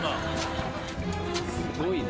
すごいね。